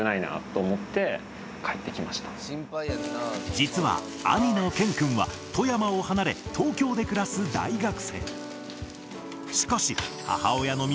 実は兄のけん君は富山を離れ東京で暮らす大学生。